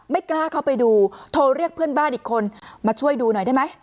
กล้าเข้าไปดูโทรเรียกเพื่อนบ้านอีกคนมาช่วยดูหน่อยได้ไหม